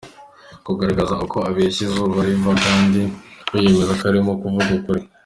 Kugaragaza uko abeshya izuba riva kandi we yemeza ko arimo kuvuga ukuri.